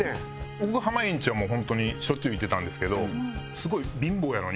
僕は濱家んちはもう本当にしょっちゅう行ってたんですけどすごい貧乏やのに。